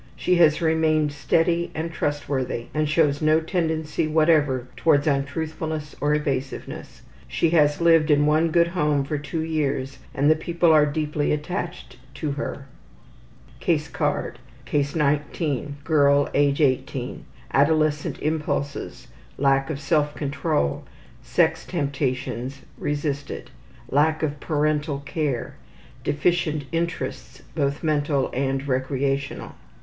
She has remained steady and trustworthy, and shows no tendency whatever towards untruthfulness or evasiveness. She has lived in one good home for two years and the people are deeply attached to her. Adolescent impulses: Lack of self control. Case 19. Sex temptations. resisted. Girl, age 18. Lack of parental care. Deficient interests: Both mental and recreational.